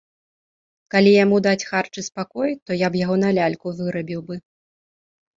Калі яму даць харч і спакой, то я б яго на ляльку вырабіў бы.